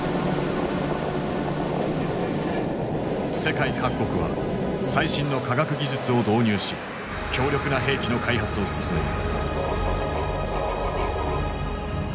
世界各国は最新の科学技術を導入し強力な兵器の開発を進める。